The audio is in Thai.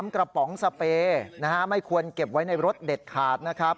กระป๋องสเปย์ไม่ควรเก็บไว้ในรถเด็ดขาดนะครับ